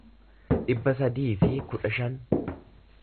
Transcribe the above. dhibba sadii fi kudha shan